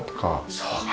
そうか。